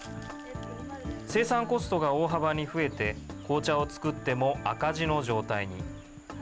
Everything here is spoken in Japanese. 生産コストが大幅に増えて、紅茶を作っても赤字の状態に。